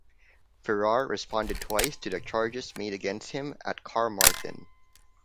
Ferrar responded twice to the charges made against him at Carmarthen.